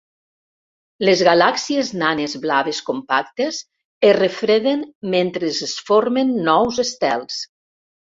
Les galàxies nanes blaves compactes es refreden mentre es formen nous estels.